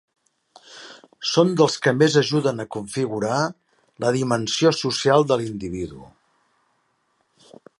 Són dels que més ajuden a configurar la dimensió social de l’individu.